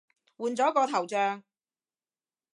換咗個頭像